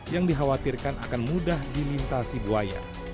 yang dikhawatirkan akan mudah dilintasi buaya